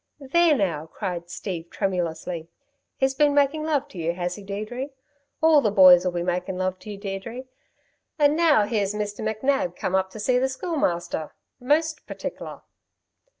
"There now," cried Steve tremulously. "He's been making love to you, has he, Deirdre? All the boys'll be making love to you, Deirdre! And now here's Mr. McNab come up to see the Schoolmaster ... most partic'lar."